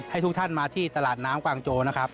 ทุกท่านมาที่ตลาดน้ำกวางโจนะครับ